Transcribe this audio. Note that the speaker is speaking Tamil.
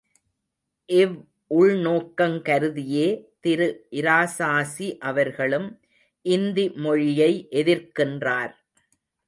இவ் உள்நோக்கங் கருதியே திரு இராசாசி அவர்களும் இந்தி மொழியை எதிர்க்கின்றார்.